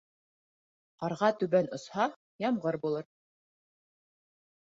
Ҡарға түбән осһа, ямғыр булыр.